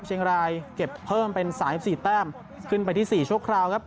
เชียงรายเก็บเพิ่มเป็นสามเอฟสี่แต้มขึ้นไปที่สี่โชคคราวครับ